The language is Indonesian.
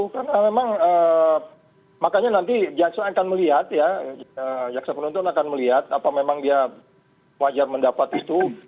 karena memang makanya nanti jaksa akan melihat ya jaksa penonton akan melihat apa memang dia wajar mendapat itu